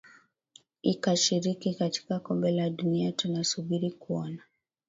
ikashiriki katika kombe la dunia tunasubiri kuona